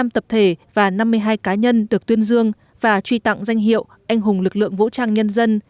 một mươi năm tập thể và năm mươi hai cá nhân được tuyên dương và truy tặng danh hiệu anh hùng lực lượng vũ trang nhân dân